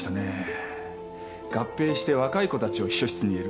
合併して若い子たちを秘書室に入れる。